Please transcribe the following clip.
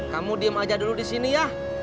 kamu diem aja dulu di sini ya